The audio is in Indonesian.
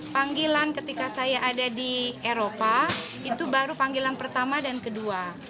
panggilan ketika saya ada di eropa itu baru panggilan pertama dan kedua